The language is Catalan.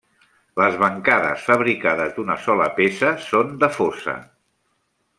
Les bancades fabricades d'una sola peça són de fosa.